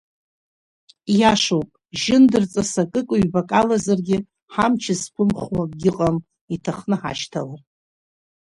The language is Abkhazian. Иашоуп жьындырҵас акык-ҩбак алазаргьы ҳамч зқыәмхо акгьы ыҟам, иҭахны ҳашьҭалар.